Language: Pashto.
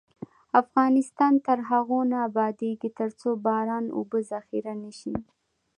افغانستان تر هغو نه ابادیږي، ترڅو باران اوبه ذخیره نشي.